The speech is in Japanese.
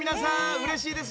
うれしいです。